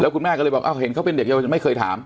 คุณแม่ก็เลยบอกเห็นเขาเป็นเด็กเยาวชนไม่เคยถาม